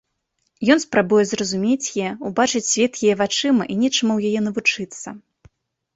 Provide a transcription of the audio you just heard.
Ён спрабуе зразумець яе, убачыць свет яе вачыма і нечаму ў яе навучыцца.